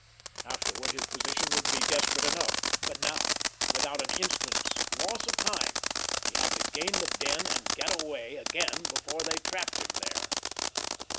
Afterward his position would be desperate enough; but now, without an instant's loss of time, he had to gain the den and get away again before they trapped him there.